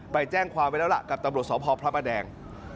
ไปแจ้งความไว้แล้วล่ะกับตำรวจสพพระประแดง